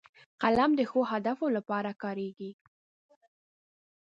قلم د ښو هدفونو لپاره کارېږي